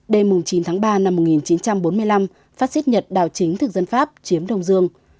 đêm chín tháng ba năm một nghìn chín trăm bốn mươi năm phát xích nhật đào chính thực dân pháp chiếm đồng dương